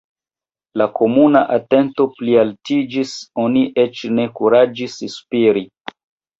La komuna atento plialtiĝis; oni eĉ ne kuraĝis spiri.